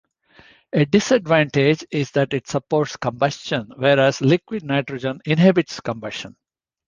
A disadvantage is that it supports combustion, whereas liquid nitrogen inhibits combustion.